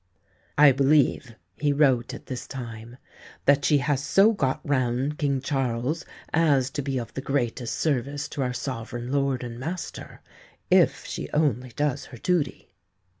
"I believe," he wrote at this time, "that she has so got round King Charles as to be of the greatest service to our Sovereign lord and master, if she only does her duty."